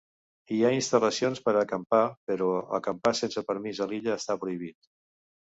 Hi ha instal·lacions per a acampar, però acampar sense permís a l'illa està prohibit.